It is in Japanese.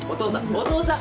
お父さん。